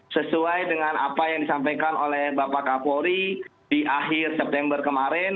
sesuai dengan apa yang disampaikan oleh bapak kapolri di akhir september kemarin